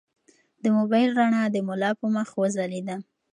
د موبایل رڼا د ملا په مخ وځلېده.